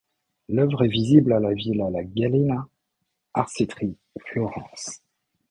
L'œuvre est visible à la Villa La Gallina, Arcetri, Florence.